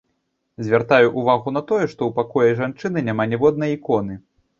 Звяртаю ўвагу на тое, што ў пакоі жанчыны няма ніводнай іконы.